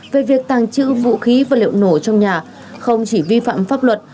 về việc tàng trữ vũ khí vật liệu nổ trong nhà không chỉ vi phạm pháp luật